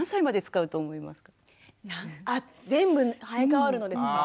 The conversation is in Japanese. あ全部生え変わるのですか？